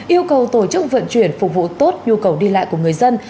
yêu cầu tổ chức vận chuyển phục vụ tốt nhu cầu đi lại của người dân